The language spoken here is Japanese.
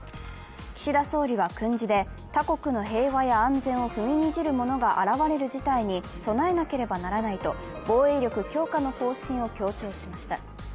岸田総理は訓示で、他国の平和や安全を踏みにじる者が現れる事態に備えなければならないと防衛力強化の方針を強調しました。